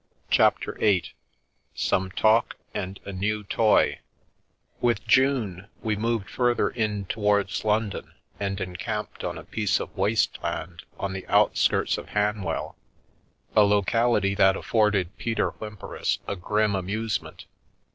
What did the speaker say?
CHAPTER VIII SOME TALK AND A NEW TOY WITH June we moved further in towards London, and encamped on a piece of waste land on the out skirts of Hanwell — a locality that afforded Peter Whym peris a grim amusement.